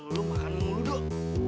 lo makan mulu duk